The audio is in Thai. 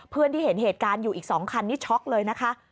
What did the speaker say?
เพื่อนที่เห็นเหตุการณ์อยู่อีก๒คันนี้ช็อกเลยนะคะ